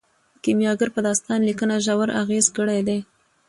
کیمیاګر په داستان لیکنه ژور اغیز کړی دی.